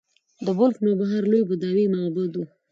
د بلخ نوبهار لوی بودايي معبد و